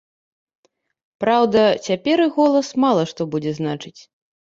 Праўда, цяпер іх голас мала што будзе значыць.